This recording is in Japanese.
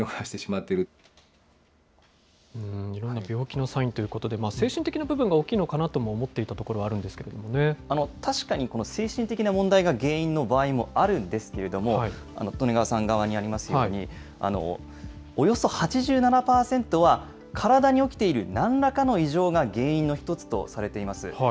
病気のサインということで、精神的な部分が大きいかなと思っていたところもあるんですけれど確かに精神的な問題が原因の場合もあるんですけれども、利根川さん側にありますように、およそ８７％は、体に起きているなんらかの異常が原因の一つとされています。